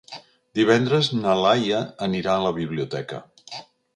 Divendres na Laia anirà a la biblioteca.